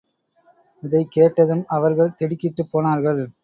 இதைக் கேட்டதும், அவர்கள் திடுக்கிட்டுப் போனார்கள்.